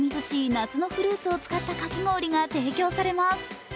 夏のフルーツを使ったかき氷が提供されます。